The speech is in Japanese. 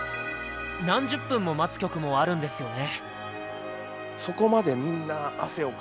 何十分も待つ曲もあるんですよね。